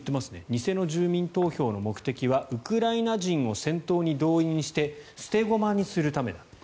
偽の住民投票の目的はウクライナ人を戦闘に動員して捨て駒にするためだと。